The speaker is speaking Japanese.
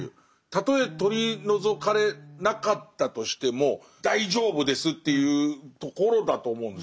たとえ取り除かれなかったとしても大丈夫ですっていうところだと思うんですよ。